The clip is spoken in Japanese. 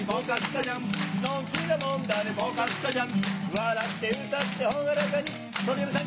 笑って歌って朗らかにそれでは皆さん